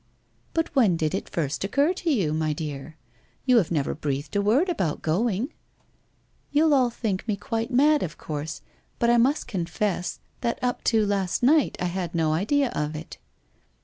'But when did it first occur to you, my dear? You have never breathed a word about going.' ' You'll all think run quite mad. of course, but I must confess that up to last night I bad no idea of it.'